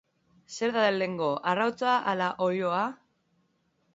Zer da lehenago arrautza ala oiloa?